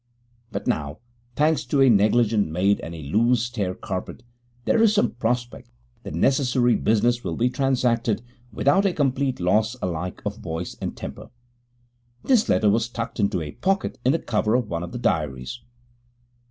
But now, thanks to a negligent maid and a loose stair carpet, there is some prospect that necessary business will be transacted without a complete loss alike of voice and temper.' This letter was tucked into a pocket in the cover of one of the diaries.